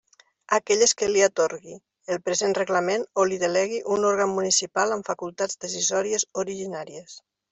Aquelles que li atorgui el present reglament o li delegui un òrgan municipal amb facultats decisòries originàries.